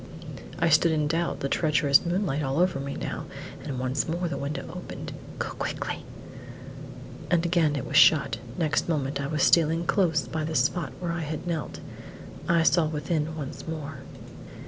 I stood in doubt, the treacherous moonlight all over me now, and once more the window opened. "Go quickly!" And again it was shut; next moment I was stealing close by the spot where I had knelt. I saw within once more.